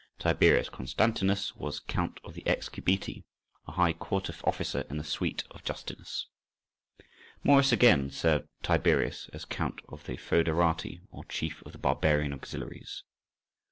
Tiberius Constantinus was "Count of the Excubiti," a high Court officer in the suite of Justinus: Maurice again served Tiberius as "Count of the Fœderati," or chief of the Barbarian auxiliaries.